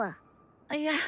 あいや